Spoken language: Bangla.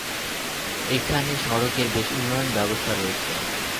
এখানে সড়কের বেশ-উন্নত ব্যবস্থা রয়েছে।